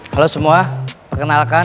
halo semua perkenalkan